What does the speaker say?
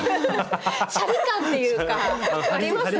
シャリ感っていうかありますね。